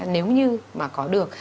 nếu như mà có được